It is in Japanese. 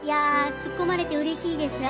突っ込まれてうれしいです。